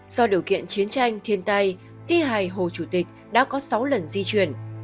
do điều kiện chiến tranh thiên tai thi hài hồ chủ tịch đã có sáu lần di chuyển